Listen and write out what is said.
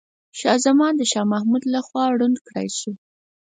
شاه زمان د شاه محمود لخوا ړوند کړاي سو.